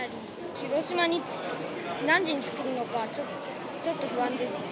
広島に何時に着けるのか、ちょっと不安ですね。